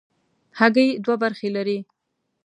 هګۍ دوه برخې لري.